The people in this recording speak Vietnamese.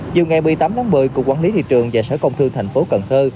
chiều ngày một mươi tám một mươi cục quản lý thị trường và sở công thương tp cần thơ